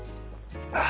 あ。